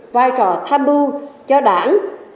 vai trò tham đu cho đảng